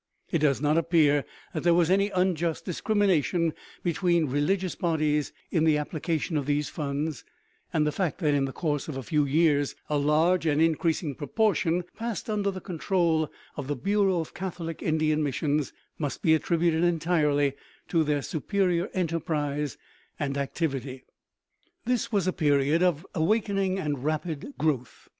It does not appear that there was any unjust discrimination between religious bodies in the application of these funds, and the fact that in the course of a few years a large and increasing proportion passed under the control of the Bureau of Catholic Indian Missions must be attributed entirely to their superior enterprise and activity. This was a period of awakening and rapid growth.